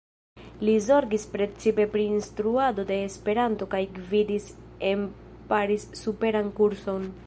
Li zorgis precipe pri instruado de Esperanto kaj gvidis en Paris superan kurson.